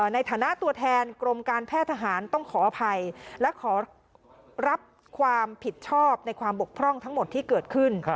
ในฐานะตัวแทนกรมการแพทย์ทหารต้องขออภัยและขอรับความผิดชอบในความบกพร่องทั้งหมดที่เกิดขึ้น